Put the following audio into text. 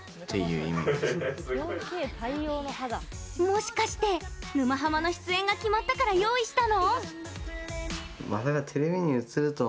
もしかして「沼ハマ」の出演が決まったから用意したの？